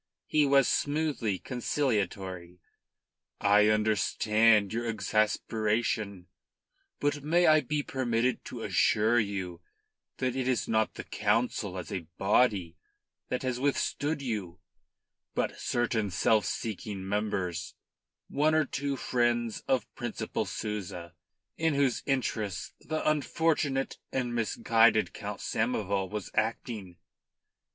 He was smoothly conciliatory. "I understand your exasperation. But may I be permitted to assure you that it is not the Council as a body that has withstood you, but certain self seeking members, one or two friends of Principal Souza, in whose interests the unfortunate and misguided Count Samoval was acting.